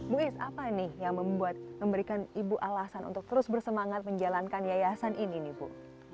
bu is apa ini yang membuat memberikan ibu alasan untuk terus bersemangat menjalankan yayasan ini ibu